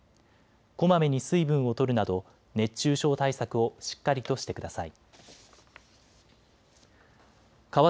こまめに水分をとるなど熱中症対策をしっかりとしてください。